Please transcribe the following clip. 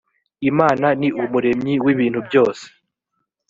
imana ni umuremyi w ‘ibintu byose .